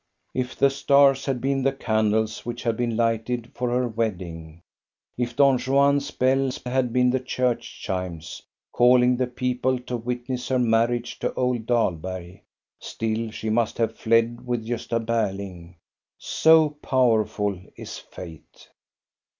If the stars had been the candles which had been lighted for her wedding, if Don Juan's bells had been the church chimes, calling the people to witness her marriage to old Dahlberg, still she must have fled with Gosta Berling. So powerful is fate.